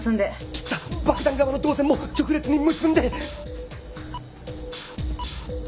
切った爆弾側の導線も直列に結んで！